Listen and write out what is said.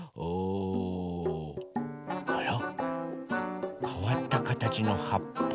あら？かわったかたちのはっぱ。